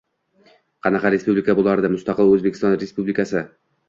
— Qanaqa respublika bo‘lardi — mustaqil O’zbekiston Respublikasi!